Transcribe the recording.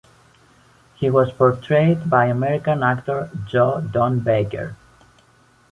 He was portrayed by American actor Joe Don Baker.